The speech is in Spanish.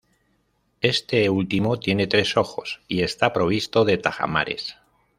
Este último tiene tres ojos, y está provisto de tajamares.